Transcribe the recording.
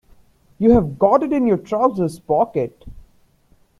You've got it in your trousers pocket.